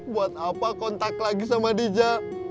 buat apa kontak lagi sama dija